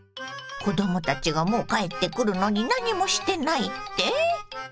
子どもたちがもう帰ってくるのに何もしてないって？